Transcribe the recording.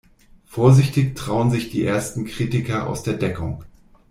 Vorsichtig trauen sich die ersten Kritiker aus der Deckung.